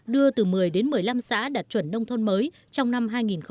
đưa từ một mươi đến một mươi năm xã đạt chuẩn nông thôn mới trong năm hai nghìn một mươi tám